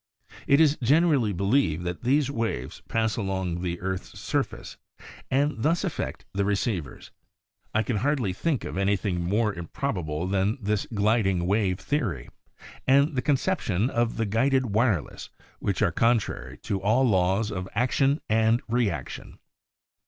It is generally believed that these waves pass along the earth's surface and thus affect the receivers. I can hardly think of any thing more improbable than this "gliding wave" theory and the conception of the "guided wireless" which are contrary to all laws of action and reaction.